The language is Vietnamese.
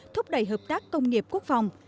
thúc đẩy hợp tác công nghiệp quốc phòng